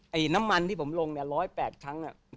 ไอ้น้ำมันที่ผมลงเนี่ย๑๐๘ชั้นเนี่ย